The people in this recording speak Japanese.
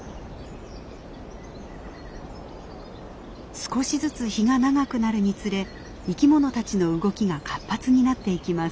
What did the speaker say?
少しずつ日が長くなるにつれ生き物たちの動きが活発になっていきます。